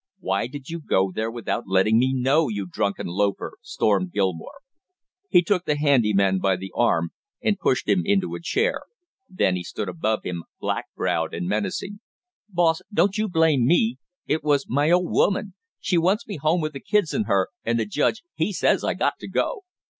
"Why did you go there without letting me know, you drunken loafer?" stormed Gilmore. He took the handy man by the arm and pushed him into a chair, then he stood above him, black browed and menacing. "Boss, don't you blame me, it was my old woman; she wants me home with the kids and her, and the judge, he says I got to go!"